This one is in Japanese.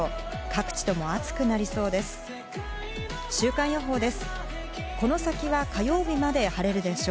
各地とも暑くなりそうです。